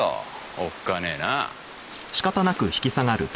おっかねえな。